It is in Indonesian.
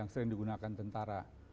yang sering digunakan tentara